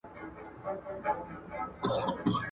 زموږ له کورونو سره نژدې ..